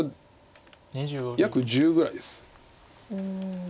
約１０ぐらいです。